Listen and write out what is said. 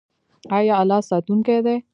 آیا الله ساتونکی دی؟